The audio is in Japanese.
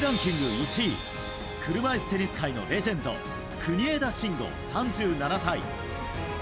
１位車いすテニス界のレジェンド国枝慎吾、３７歳。